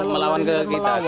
melawan ke kita